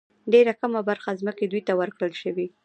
ډېره کمه برخه ځمکې دوی ته ورکړل شوې.